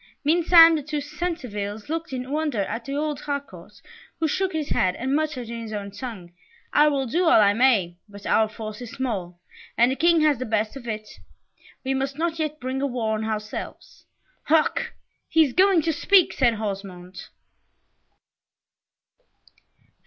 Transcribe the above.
Meantime, the two Centevilles looked in wonder at the old Harcourt, who shook his head and muttered in his own tongue, "I will do all I may, but our force is small, and the King has the best of it. We must not yet bring a war on ourselves." "Hark! he is going to speak," said Osmond.